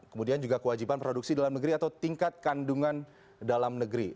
kemudian juga kewajiban produksi dalam negeri atau tingkat kandungan dalam negeri